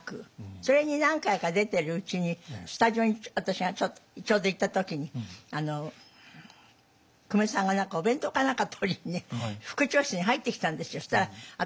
それに何回か出ているうちにスタジオに私がちょうど行った時に久米さんがお弁当か何か取りに副調整室に入ってきたんですよ。